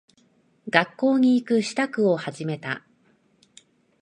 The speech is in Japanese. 学校に行く支度を始めた。